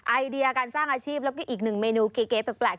ไอเดียการสร้างอาชีพแล้วก็อีกหนึ่งเมนูเก๋แปลก